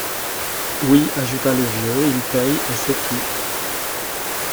Oui, ajouta le vieux, ils payent et c’est tout.